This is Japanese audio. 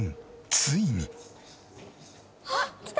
ついに。あっ来た！